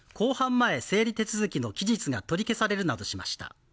前整理手続きの期日が取り消されるなどしました。